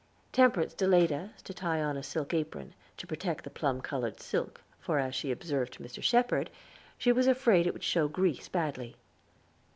Temperance delayed us, to tie on a silk apron, to protect the plum colored silk, for, as she observed to Mr. Shepherd, she was afraid it would show grease badly.